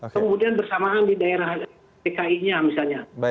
kemudian bersamaan di daerah dki nya misalnya